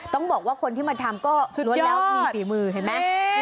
ต้องบอกว่าคนที่มาทำก็ถือว่าแล้วมีฝีมือเห็นไหม